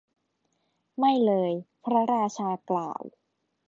ไม่เลย พระราชากล่าว